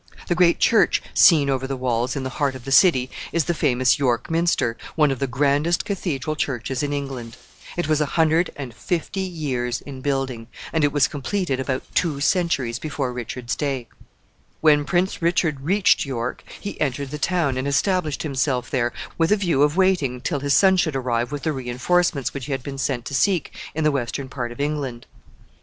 The great church seen over the walls, in the heart of the city, is the famous York minster, one of the grandest Cathedral churches in England. It was a hundred and fifty years in building, and it was completed about two centuries before Richard's day. When Prince Richard reached York, he entered the town, and established himself there, with a view of waiting till his son should arrive with the re enforcements which he had been sent to seek in the western part of England. [Illustration: WALLS OF YORK.